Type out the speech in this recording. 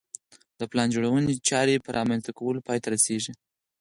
د پلان جوړونې چارې په رامنځته کولو پای ته رسېږي